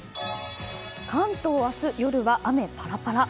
関東、明日、夜は雨パラパラ。